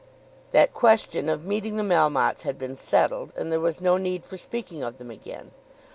That question of meeting the Melmottes had been settled, and there was no need for speaking of them again.